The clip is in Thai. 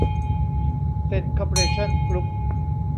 เซ็น คอร์ปอเรชั่น กรุ๊ป